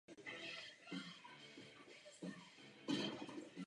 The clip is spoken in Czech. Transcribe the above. V Lisabonské smlouvě o tom rozhodly vlády.